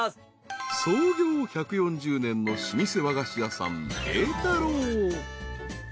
［創業１４０年の老舗和菓子屋さん］